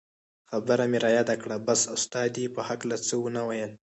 خبره مې رایاده کړه بس استاد یې په هکله څه و نه ویل.